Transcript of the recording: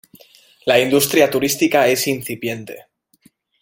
La industria turística es incipiente.